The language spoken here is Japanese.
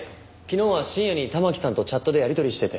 昨日は深夜に環さんとチャットでやり取りしてて。